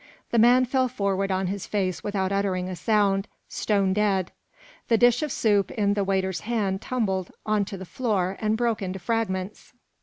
The man fell forward on his face without uttering a sound, stone dead; the dish of soup in the waiter's hand tumbled onto the floor and broke into fragments.